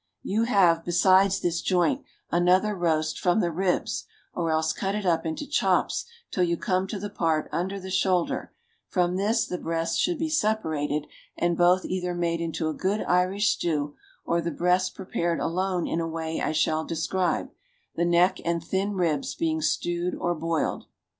You have, besides this joint, another roast from the ribs, or else cut it up into chops till you come to the part under the shoulder; from this the breast should be separated and both either made into a good Irish stew, or the breast prepared alone in a way I shall describe, the neck and thin ribs being stewed or boiled.